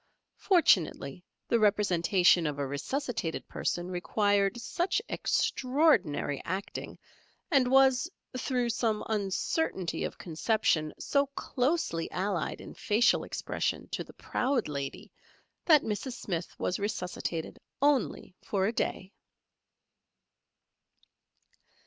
Fortunately, the representation of a resuscitated person required such extraordinary acting, and was, through some uncertainty of conception, so closely allied in facial expression to the Proud Lady, that Mrs. Smith was resuscitated only for a day.